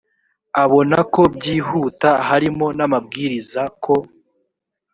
abona ko byihuta harimo n amabwiriza ko